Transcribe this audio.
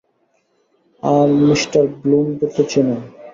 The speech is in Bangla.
আর মিঃ ব্লুমকে তো চেনোই।